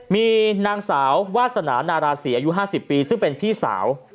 มีนางสาววาสนานาราศีอายุ๕๐ปีซึ่งเป็นพี่สาว